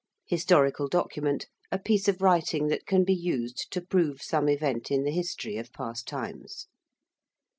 ~historical document~: a piece of writing that can be used to prove some event in the history of past times.